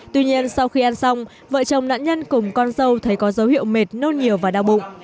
tuy nhiên sau khi ăn xong vợ chồng nạn nhân cùng con dâu thấy có dấu hiệu mệt nôn nhiều và đau bụng